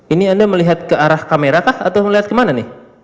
ini anda melihat ke arah kamera kah atau melihat kemana nih